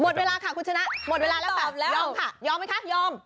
เวลาค่ะคุณชนะหมดเวลาแล้วค่ะยอมค่ะยอมไหมคะยอม